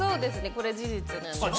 これ事実なんですけども。